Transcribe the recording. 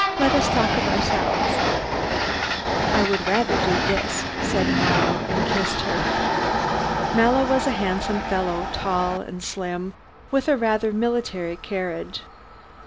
Let us talk of ourselves." "I would rather do this," said Mallow, and kissed her. Mallow was a handsome fellow, tall and slim, with a rather military carriage.